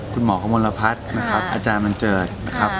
คุณหมอกระมวลพัฒน์นะครับอาจารย์บัญเจิดนะครับ